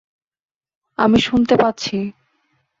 আমি শুনতে পাচ্ছি।